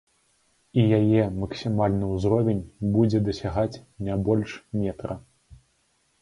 І яе максімальны ўзровень будзе дасягаць не больш метра.